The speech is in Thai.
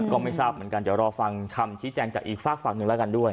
ก็ไม่ทราบเหมือนกันเดี๋ยวรอฟังคำชี้แจงจากอีกฝากฝั่งหนึ่งแล้วกันด้วย